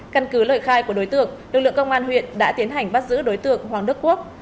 căn cứ lời khai của đối tượng lực lượng công an huyện đã tiến hành bắt giữ đối tượng hoàng đức quốc